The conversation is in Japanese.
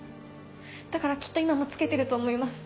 だからきっと今も着けてると思います。